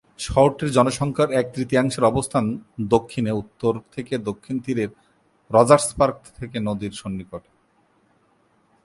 শহরটির জনসংখ্যার এক তৃতীয়াংশের অবস্থান দক্ষিণে উত্তর থেকে দক্ষিণ তীরের রজার্স পার্ক থেকে নদীর সন্নিকটে।